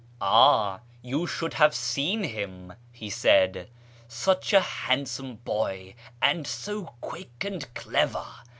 " Ah, you should have seen him," he said, " such a handsome boy, and so quick and clever.